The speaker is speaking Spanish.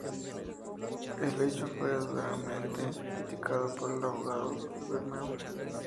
El hecho fue duramente criticado por el abogado de Bermeo.